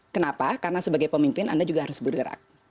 kenapa karena sebagai pemimpin anda juga harus bergerak